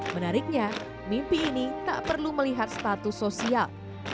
menariknya mimpi ini tak perlu melihat status sosial